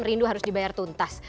rindu harus dibayar tuntas